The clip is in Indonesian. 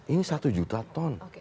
ini satu juta ton